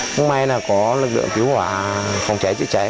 không may là có lực lượng cứu hỏa phòng cháy chữa cháy